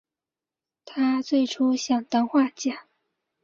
他最初想当画家。